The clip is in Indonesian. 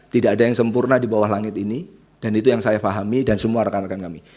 tidak ada yang sempurna di bawah langit ini dan itu yang saya pahami dan semua rekan rekan kami